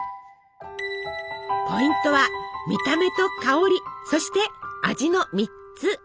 ポイントは見た目と香りそして味の３つ。